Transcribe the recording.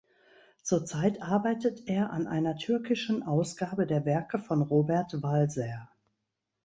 Zurzeit arbeitet er an einer türkischen Ausgabe der Werke von Robert Walser.